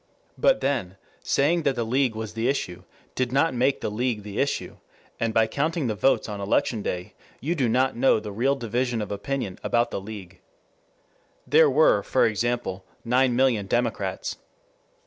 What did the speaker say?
But then, saying that the League was the issue did not make the League the issue, and by counting the votes on election day you do not know the real division of opinion about the League. There were, for example, nine million Democrats.